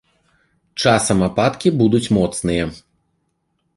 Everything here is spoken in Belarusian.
Часам ападкі будуць моцныя.